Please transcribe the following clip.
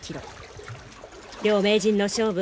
両名人の勝負